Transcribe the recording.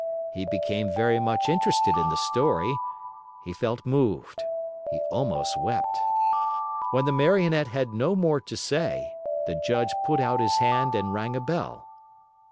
He became very much interested in the story; he felt moved; he almost wept. When the Marionette had no more to say, the Judge put out his hand and rang a bell.